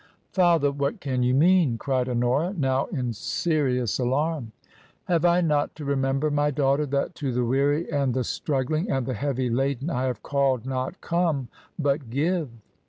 TRANSITION. 29 " Father, what can you mean ?" cried Honora, now in serious alarm. " Have I not to remember, my daughter, that to the weary and the struggling and the heavy laden I have called not ' Comer but * Give